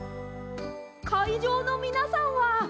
かいじょうのみなさんはどうですか？